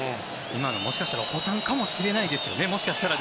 今のはもしかしたらお子さんかもしれないですね。